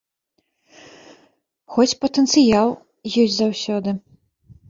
Хоць патэнцыял ёсць заўсёды.